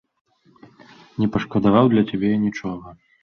Не пашкадаваў для цябе я нічога.